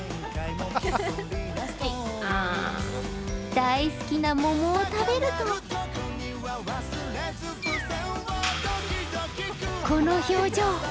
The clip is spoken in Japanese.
大好きな桃を食べるとこの表情。